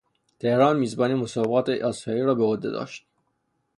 تهران میزبانی مسابقات آسیایی را به عهده داشت.